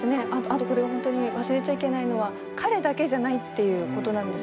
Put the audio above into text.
あとこれは本当に忘れちゃいけないのは彼だけじゃないっていうことなんですよね。